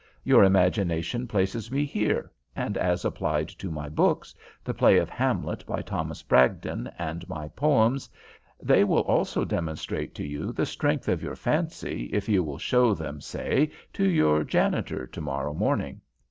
Your imagination places me here, and as applied to my books, the play of Hamlet by Thomas Bragdon, and my poems, they will also demonstrate to you the strength of your fancy if you will show them, say, to your janitor, to morrow morning.